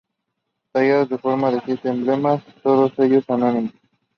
Tallados en forma de siete emblemas, todos ellos anónimos.